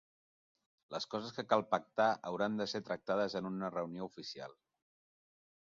Les coses que cal pactar hauran de ser tractades en una reunió oficial.